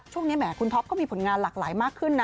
แหมคุณท็อปก็มีผลงานหลากหลายมากขึ้นนะ